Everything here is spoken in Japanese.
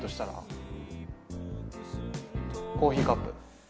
コーヒーカップ。